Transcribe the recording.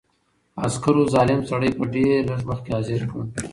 عسکرو ظالم سړی په ډېر لږ وخت کې حاضر کړ.